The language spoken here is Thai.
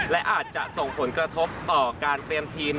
และอาจจะส่งผลกระทบต่อการเตรียมทีม